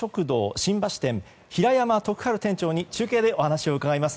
新橋店平山徳治店長に中継でお話を伺います。